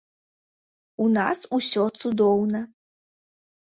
У нас усё цудоўна.